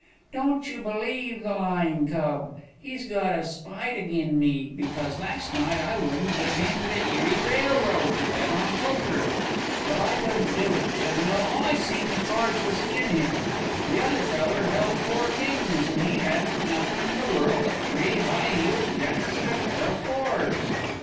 Don't you believe the lying cub; he's got a spite agin me, because last night I wouldn't give him the Erie Railroad to bet on poker; but I couldn't do it, General; I seen the cards was agin him; the other feller held four kings, and he hadn't nothin' in the world but three high heeled jacks and a pair of fours."